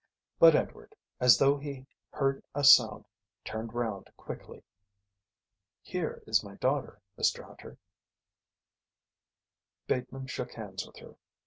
But Edward, as though he heard a sound, turned round quickly. "Here is my daughter, Mr Hunter." Bateman shook hands with her.